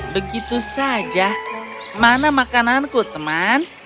begitu saja mana makananku teman